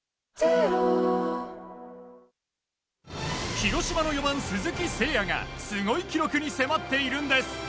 広島の４番、鈴木誠也がすごい記録に迫っているんです！